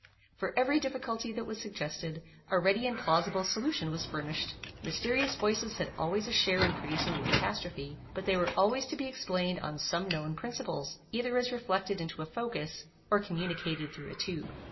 For every difficulty that was suggested, a ready and plausible solution was furnished. Mysterious voices had always a share in producing the catastrophe, but they were always to be explained on some known principles, either as reflected into a focus, or communicated through a tube.